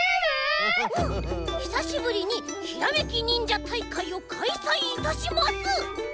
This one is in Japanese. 「ひさしぶりにひらめきにんじゃたいかいをかいさいいたします」。